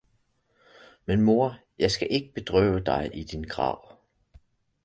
men, moder, jeg skal ikke bedrøve dig i din grav!